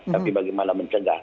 tapi bagaimana mencegah